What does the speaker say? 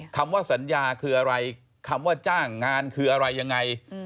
คำว่าสัญญาคืออะไรคำว่าจ้างงานคืออะไรยังไง